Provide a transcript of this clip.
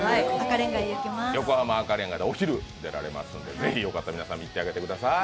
横浜赤レンガでお昼に出られますのでぜひよかったら皆さん、見に行ってあげてください。